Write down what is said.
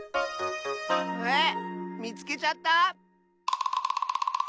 えっみつけちゃった？